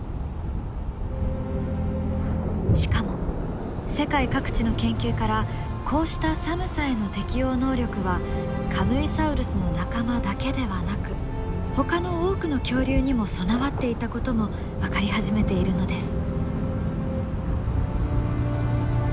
しかも世界各地の研究からこうした寒さへの適応能力はカムイサウルスの仲間だけではなくほかの多くの恐竜にも備わっていたことも分かり始めているのです。